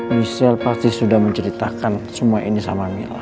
michelle pasti sudah menceritakan semua ini sama mila